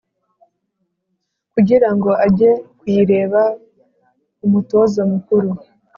kugira ngo ajye kuyibera umutoza mukuru